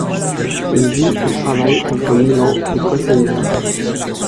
Il vit et travaille entre Milan et Cosenza.